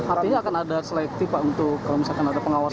artinya akan ada selektif pak untuk kalau misalkan ada pengawasan